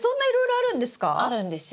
あるんですよ。